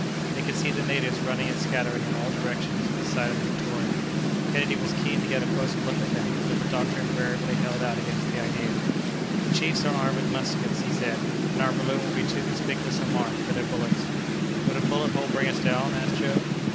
They could see the natives running and scattering in all directions at the sight of the Victoria. Kennedy was keen to get a closer look at them, but the doctor invariably held out against the idea. "The chiefs are armed with muskets," he said, "and our balloon would be too conspicuous a mark for their bullets." "Would a bullet hole bring us down?" asked Joe.